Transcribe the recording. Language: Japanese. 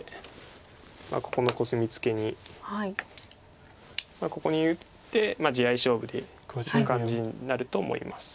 ここのコスミツケにここに打って地合い勝負でいく感じになると思います。